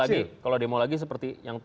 jadi kalau demo lagi seperti yang